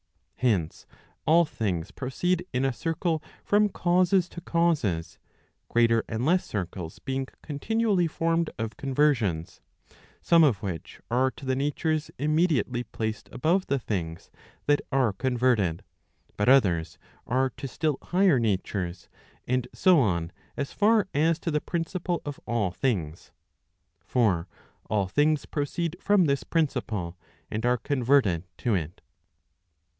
Hence all things proceed in a circle from causes to causes; greater and less circles being continually formed of conversions, some of which are to the natures [immediately} placed above the things that are converted, but others are to still higher natures, and so on as far as to the principle of all things. For all things proceed from this principle, and are converted to it.